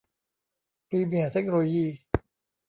พรีเมียร์ เทคโนโลยี